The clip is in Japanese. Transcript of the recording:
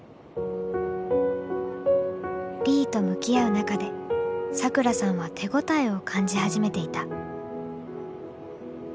リィと向き合う中でサクラさんは手応えを感じ始めていた。